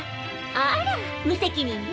あら無責任ね。